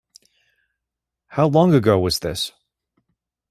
How long ago was this?